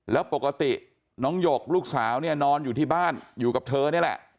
แล้วปกติน้องหยกลูกสาวเนี่ยนอนอยู่ที่บ้านอยู่กับเธอนี่แหละ